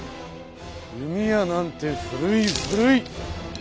弓矢なんて古い古い！